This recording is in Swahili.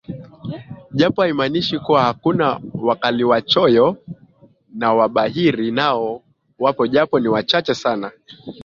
Japo haimanishi kuwa hakuna wakaliwachoyo na wabahiri Nao wapo japo ni wachache sana